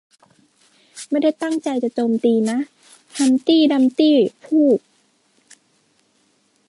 ไม่ได้ตั้งใจจะโจมตีนะ ฮัมตี้ ดัมตี้ พูก